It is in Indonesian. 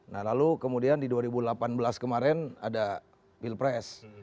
nah lalu kemudian di dua ribu delapan belas kemarin ada pilpres